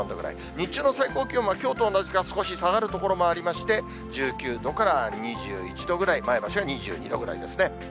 日中の最高気温はきょうと同じか少し下がる所もありまして、１９度から２１度ぐらい、前橋が２２度ぐらいですね。